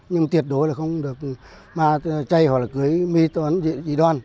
nhưng tiệt đối là không được ma chay hoặc là cưới mi toán di đoan